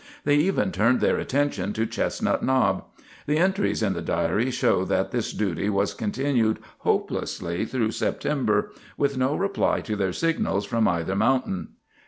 They even turned their attention to Chestnut Knob. The entries in the diary show that this duty was continued hopelessly through September, with no reply to their signals from either mountain.